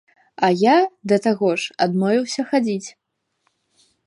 А я, да таго ж, адмовіўся хадзіць.